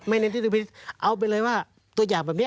ไม่เน้นที่ดุลพินิษฐ์เอาไปเลยว่าตัวอย่างแบบนี้